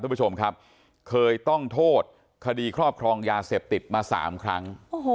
คุณผู้ชมครับเคยต้องโทษคดีครอบครองยาเสพติดมา๓ครั้ง